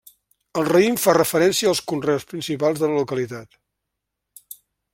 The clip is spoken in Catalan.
El raïm fa referència als conreus principals de la localitat.